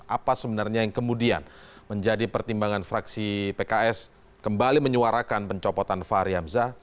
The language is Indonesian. apa sebenarnya yang kemudian menjadi pertimbangan fraksi pks kembali menyuarakan pencopotan fahri hamzah